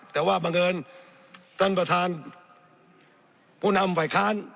แต่ว่าบังเอิญท่านประธานผู้นำฝ่ายค้าน